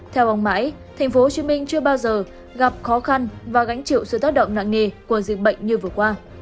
theo vòng mãi tp hcm chưa bao giờ gặp khó khăn và gánh chịu sự tác động nặng nề của dịch bệnh như vừa qua